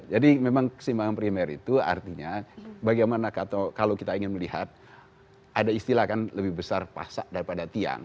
jadi memang keseimbangan primer itu artinya bagaimana kalau kita ingin melihat ada istilah kan lebih besar pasak daripada tiang